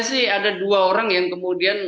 sih ada dua orang yang kemudian